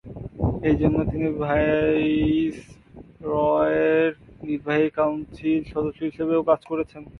এছাড়াও তিনি ভাইসরয়ের নির্বাহী কাউন্সিল সদস্য হিসেবেও কাজ করেছেন।